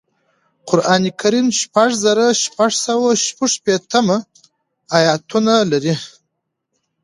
قرآن کریم شپږ زره شپږسوه شپږشپیتمه اياتونه لري